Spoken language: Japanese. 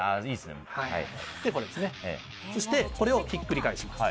これをひっくり返します。